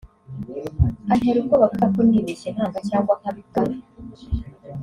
antera ubwoba avuga ko nibeshye nkanga cyangwa nkabivuga